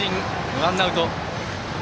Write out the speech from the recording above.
ワンアウト。